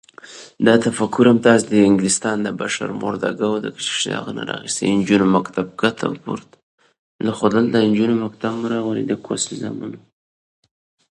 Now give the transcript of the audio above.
د نجونو تعلیم د فکر ازادي تضمینوي.